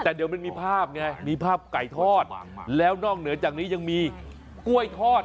แต่เดี๋ยวมันมีภาพไงมีภาพไก่ทอดแล้วนอกเหนือจากนี้ยังมีกล้วยทอด